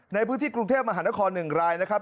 ในพื้นที่กรุงเทพมหานคร๑รายนะครับ